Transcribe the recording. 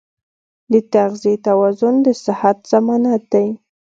د تغذیې توازن د صحت ضمانت دی.